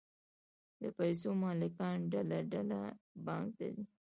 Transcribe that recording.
د پیسو مالکان ډله ډله بانک ته ځي